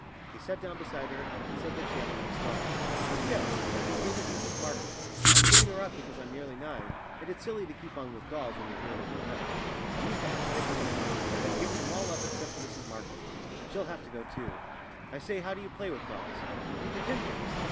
He sat down beside her, and said that she had a nice doll. "Yes; its name is Mrs Markham. I'm giving her up, because I'm nearly nine, and it's silly to keep on with dolls when you're nearly grown up. I used to have six dolls, and I've given them all up except Mrs Markham. She'll have to go too." "I say, how do you play with dolls?" "You pretend things.